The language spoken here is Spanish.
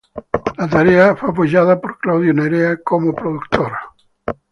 La tarea fue apoyada por Claudio Narea como productor.